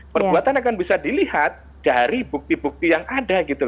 perbuatan akan bisa dilihat dari bukti bukti yang ada gitu